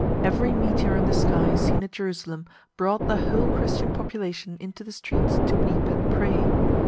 Every meteor in the sky seen at Jerusalem brought the whole Christian population into the streets to weep and pray.